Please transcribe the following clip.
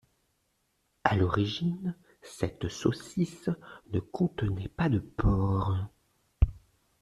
À l'origine, cette saucisse ne contenait pas de porc.